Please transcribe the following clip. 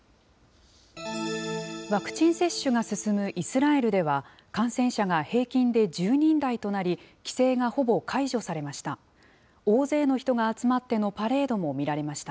ワクチン接種が進むイスラエルでは、感染者が平均で１０人台となり、規制がほぼ解除されました。